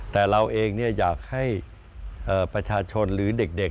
แต่เราเองอยากให้ประชาชนหรือเด็ก